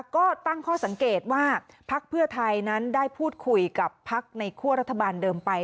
ก็ตั้งข้อสังเกตว่าพักเพื่อไทยนั้นได้พูดคุยกับพักในคั่วรัฐบาลเดิมไป